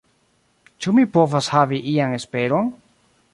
Ĉu mi povas havi ian esperon?